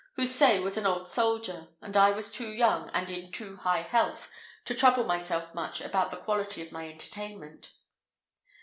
Houssaye was an old soldier, and I was too young and in too high health to trouble myself much about the quality of my entertainment.